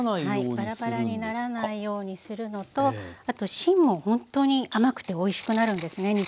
はいバラバラにならないようにするのとあと芯もほんとに甘くておいしくなるんですね